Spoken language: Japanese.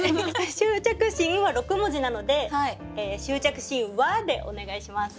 「執着心」は６文字なので「執着心は」でお願いします。